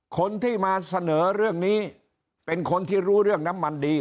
คนที่มาเสนอเรื่องนี้เป็นคนที่รู้เรื่องน้ำมันดี